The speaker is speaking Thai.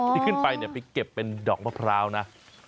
ที่ขึ้นไปเนี่ยไปเก็บเป็นดอกมะพร้าวนะ